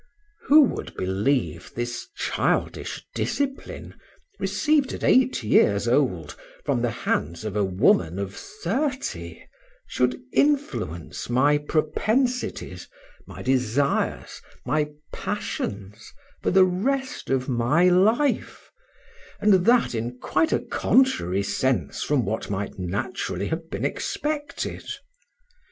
Who would believe this childish discipline, received at eight years old, from the hands of a woman of thirty, should influence my propensities, my desires, my passions, for the rest of my life, and that in quite a contrary sense from what might naturally have been expected?